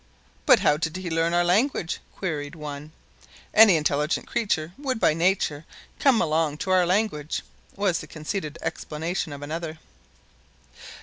"But how did he learn our language?" queried one. "Any intelligent creature would by nature alone come to our language," was the conceited explanation of another.